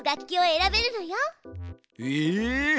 え！